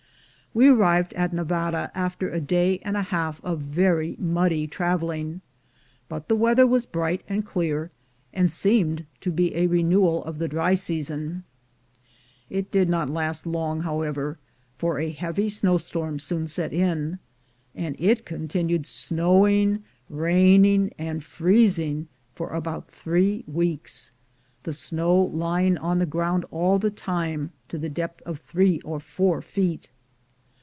We arrived at Nevada after a day and a half of very muddy traveling, but the weather was bright and clear, and seemed to be a renewal of the dry sea son. It did not last long, however, for a heavy snow storm soon set in, and it continued snowing, raining, and freezing for about three weeks, — the snow lying on the ground all the time, to the depth of three or four feet.